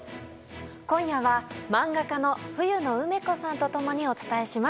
今夜は漫画家の冬野梅子さんと共にお伝えします。